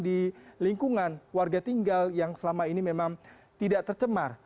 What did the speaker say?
di lingkungan warga tinggal yang selama ini memang tidak tercemar